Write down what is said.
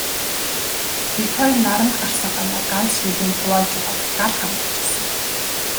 Бид хоёр наранд гарсан хойноо ганц шил юм хувааж уугаад гал хам болчихсон.